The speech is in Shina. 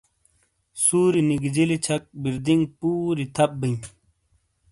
سُوری نیگیجیلی چھک بِیردینگ پُوری تھپ بئیں۔